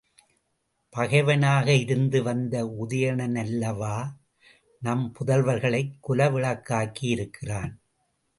பகைவனாக இருந்து வந்த உதயனனல்லவா நம் புதல்வர்களைக் குலவிளக்காக்கி இருக்கிறான்.